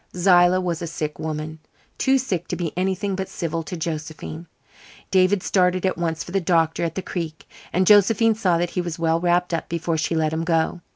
Zillah was a sick woman too sick to be anything but civil to Josephine. David started at once for the doctor at the Creek, and Josephine saw that he was well wrapped up before she let him go.